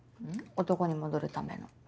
男に戻るための。